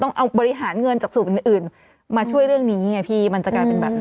ต้องเอาบริหารเงินจากสูตรอื่นมาช่วยเรื่องนี้ไงพี่มันจะกลายเป็นแบบนั้น